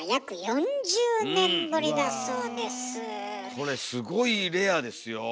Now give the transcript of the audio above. これすごいレアですよ。